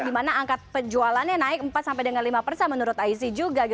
di mana angka penjualannya naik empat sampai dengan lima persa menurut aisy juga